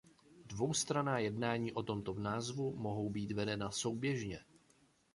Dvoustranná jednání o tomto názvu mohou být vedena souběžně.